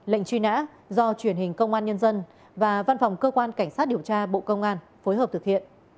lệnh truy nã do truyền hình công an nhân dân và văn phòng cơ quan cảnh sát điều tra bộ công an phối hợp thực hiện